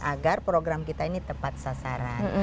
agar program kita ini tepat sasaran